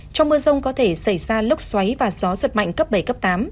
trong mưa rông có thể xảy ra lốc xoáy và gió giật mạnh cấp bảy cấp tám